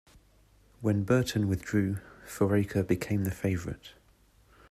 When Burton withdrew, Foraker became the favorite.